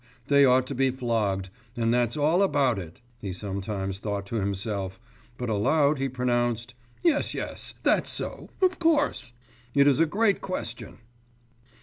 they ought to be flogged, and that's all about it!' he sometimes thought to himself, but aloud he pronounced: 'Yes, yes, that's so ... of course; it is a great question.